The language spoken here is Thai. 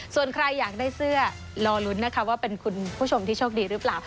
ส่วนใครอยากได้เสื้อรอลุ้นนะคะว่าเป็นคุณผู้ชมที่โชคดีหรือเปล่า